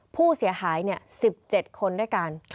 ผู้เสียหาย๑๗คนด้วยกัน